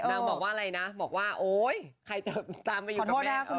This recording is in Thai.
นางบอกว่าอะไรนะบอกว่าโอ๊ยใครจะตามไปอยู่ด้วย